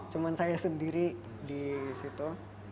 cuma saya sendiri di situ